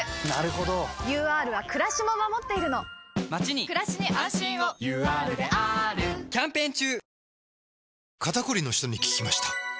ＵＲはくらしも守っているのまちにくらしに安心をＵＲであーるキャンペーン中！